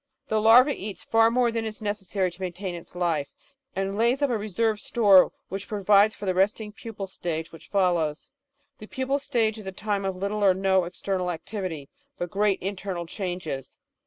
The larva eats far more than is necessary to maintain its life, and lays up a reserve store which provides for the resting pupal stage which follows. The pupal stage is a time of little or no external activity but great internal changes.